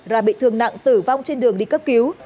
và bị thương nặng tử vong trên đường đi cấp cứu